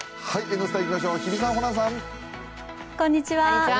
「Ｎスタ」いきましょう、日比さん、ホランさん。